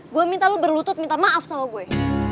gue minta lu berlutut minta maaf sama gue